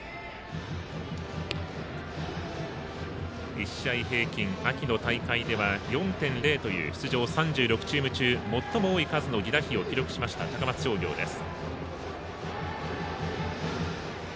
１試合平均、秋の大会では４．０という出場３６チーム中最も多い数の犠打飛を記録した高松商業です。